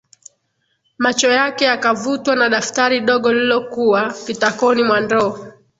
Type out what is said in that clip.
Macho yake yakavutwa na daftari dogo lililokua kitakoni mwa ndoo